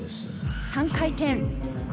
３回転。